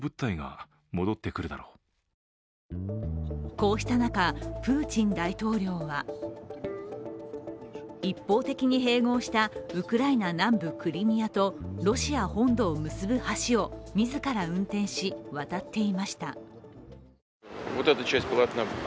こうしたなかプーチン大統領は一方的に併合したウクライナ南部クリミアとロシア本土を結ぶ橋を自ら運転し、渡っていました。